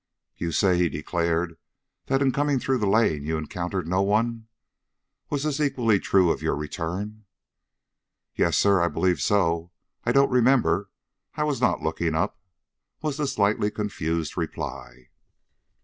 "You say," he declared, "that in coming through the lane you encountered no one. Was this equally true of your return?" "Yes, sir; I believe so. I don't remember. I was not looking up," was the slightly confused reply.